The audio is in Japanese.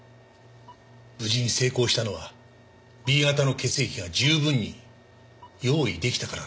無事に成功したのはＢ型の血液が十分に用意出来たからなんです。